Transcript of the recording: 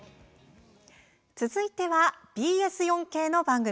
続いてはＢＳ４Ｋの番組。